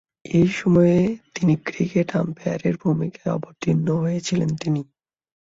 এ সময়ে তিনি ক্রিকেট আম্পায়ারের ভূমিকায় অবতীর্ণ হয়েছিলেন তিনি।